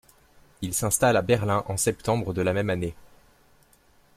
Il s'installe à Berlin en septembre de la même année.